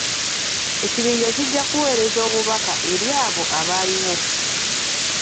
Ekibinja kijja kuweereza obubaka eri abo abaliwo.